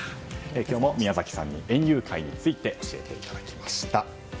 今日も宮崎さんに園遊会について教えていただきました。